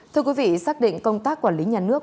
thưa quý vị xác định công tác quản lý nhà nước